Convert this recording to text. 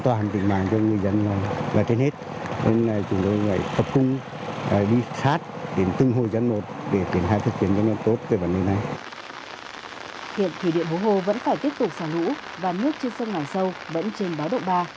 thủy điện hồ hồ vẫn phải tiếp tục xả lũ và nước trên sân ngả sâu vẫn trên bá độ ba